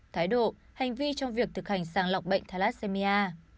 thái độ hành vi trong việc thực hành sàng lọc bệnh thalassemia